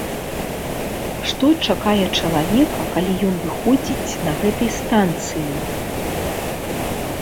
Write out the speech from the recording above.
Што чакае чалавека, калі ён выходзіць на гэтай станцыі?